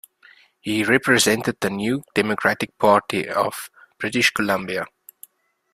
He represented the New Democratic Party of British Columbia.